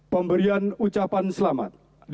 pemberian ucapan selamat